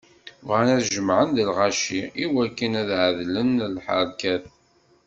Bɣan ad jemɛen deg lɣaci, iwakken ad ɛedlen lḥerkat.